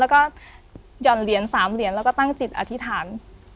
แล้วก็หย่อนเหรียญ๓เหรียญแล้วก็ตั้งจิตอธิษฐาน